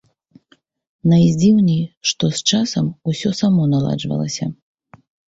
Найдзіўней, што з часам усё само наладжвалася.